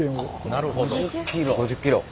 なるほど。